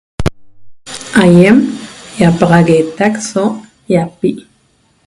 Aýem ýapaxagueetac so ýapi'